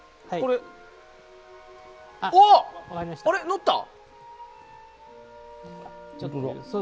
乗った！